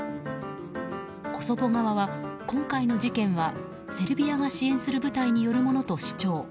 コソボ側は今回の事件はセルビアが支援する部隊によるものと主張。